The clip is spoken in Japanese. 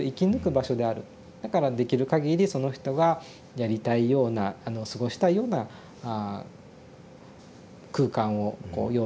だからできるかぎりその人がやりたいような過ごしたいような空間をこう用意していく。